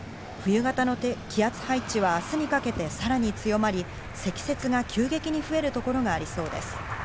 冬型の気圧配置は明日にかけてさらに強まり、積雪が急激に増えるところがありそうです。